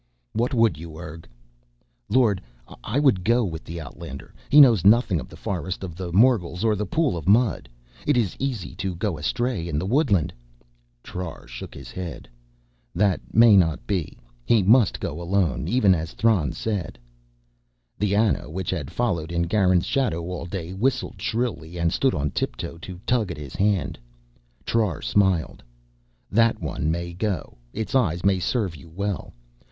"What would you, Urg?" "Lord, I would go with the outlander. He knows nothing of the Forest of the Morgels or of the Pool of Mud. It is easy to go astray in the woodland " Trar shook his head. "That may not be. He must go alone, even as Thran said." The Ana, which had followed in Garin's shadow all day, whistled shrilly and stood on tiptoe to tug at his hand. Trar smiled. "That one may go, its eyes may serve you well.